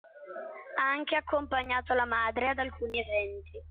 Ha anche accompagnato la madre ad alcuni eventi.